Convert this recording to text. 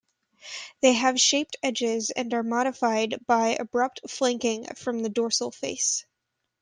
They have shaped edges and are modified by abrupt flaking from the dorsal face.